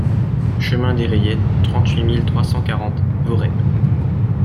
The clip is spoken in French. Chemin des Rayettes, trente-huit mille trois cent quarante Voreppe